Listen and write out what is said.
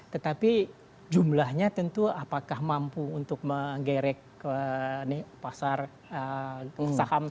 tetapi jumlahnya tentu apakah mampu untuk menggerek pasar saham